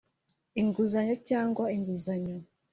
inguzanyo cyangwa inguzanyo